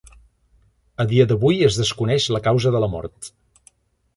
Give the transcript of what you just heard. A dia d'avui es desconeix la causa de la mort.